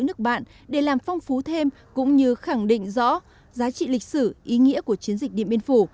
nước bạn để làm phong phú thêm cũng như khẳng định rõ giá trị lịch sử ý nghĩa của chiến dịch điện biên phủ